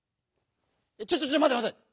ちょちょちょまてまて！